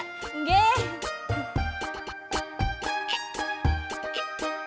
kagak jadi kamu